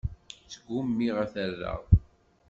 Sgumiɣ ad t-rreɣ.